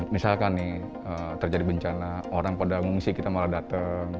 misalkan nih terjadi bencana orang pada mengungsi kita malah datang